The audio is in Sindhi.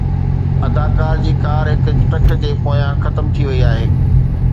اداڪار جي ڪار هڪ ٽرڪ جي پويان ختم ٿي وئي آهي